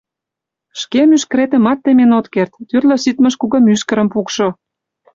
Шке мӱшкыретымат темен от керт: тӱрлӧ ситмыж-кугымӱшкырым пукшо...